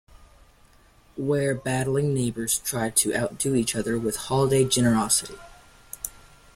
Where battling neighbors try to outdo each other with holiday generosity.